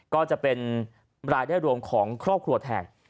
ก็จะเป็นรายได้รวมของครอบครัวแทน